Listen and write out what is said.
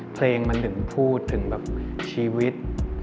เพลงมันถึงพูดถึงแบบชีวิต